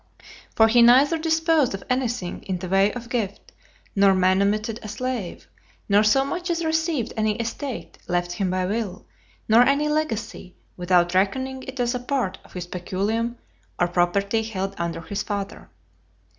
For he neither disposed of anything in the way of gift, nor manumitted a slave; nor so much as received any estate left him by will, nor any legacy, without reckoning it as a part of his peculium or property held under his father.